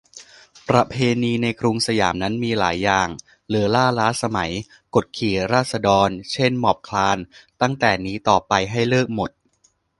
"ประเพณีในกรุงสยามนั้นมีหลายอย่างเล่อล่าล้าสมัย กดขี่ราษฎร เช่น หมอบคลาน ตั้งแต่นี้ต่อไปให้เลิกหมด"